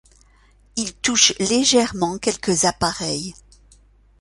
Ils touchent légèrement quelques appareils.